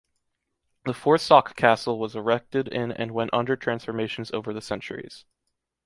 The Forsac castle was erected in and went under transformations over the centuries.